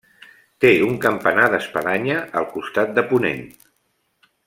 Té un campanar d'espadanya al costat de ponent.